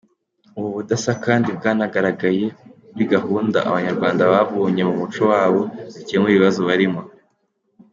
Ubu budasa kandi bwanagaragaye muri gahunda abanyarwanda bavomye mu muco wabo zikemura ibibazo barimo.